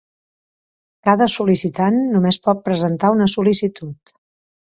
Cada sol·licitant només pot presentar una sol·licitud.